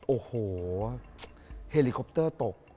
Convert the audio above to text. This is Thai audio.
โอ้โหเฮลิคอปเตอร์ตก